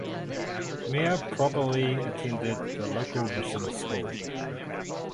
Mere probably attended the local mission school.